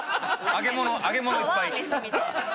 揚げ物揚げ物いっぱい。